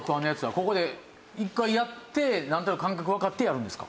ここで１回やってなんとなく感覚わかってやるんですか？